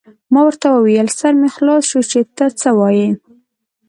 ما ورته وویل: سر مې خلاص شو، چې ته څه وایې.